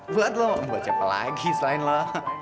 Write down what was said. buat lo mau buat siapa lagi selain lo